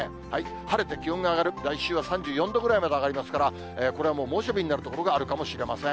晴れて気温が上がる、来週は３４度ぐらいまで上がりますから、これはもう猛暑日になる所があるかもしれません。